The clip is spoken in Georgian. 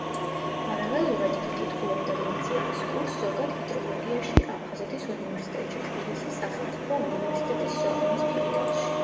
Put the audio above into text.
პარალელურად იგი კითხულობდა ლექციების კურსს ზოგად ჰიდროლოგიაში აფხაზეთის უნივერსიტეტში, თბილისის სახელმწიფო უნივერსიტეტის სოხუმის ფილიალში.